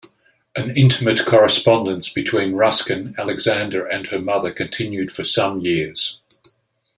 An intimate correspondence between Ruskin, Alexander, and her mother continued for some years.